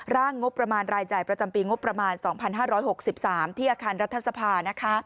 งบประมาณรายจ่ายประจำปีงบประมาณ๒๕๖๓ที่อาคารรัฐสภานะคะ